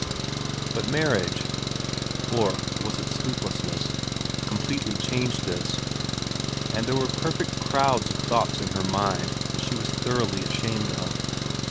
But marriage or was it sleeplessness ? completely changed this, and there were perfect crowds of thoughts in her mind that she was thoroughly ashamed of.